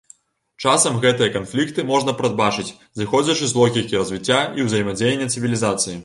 Часам гэтыя канфлікты можна прадбачыць зыходзячы з логікі развіцця і ўзаемадзеяння цывілізацый.